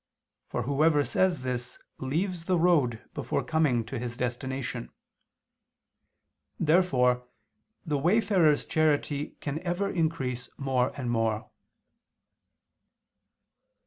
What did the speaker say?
For whosoever says this, leaves the road before coming to his destination." Therefore the wayfarer's charity can ever increase more and more.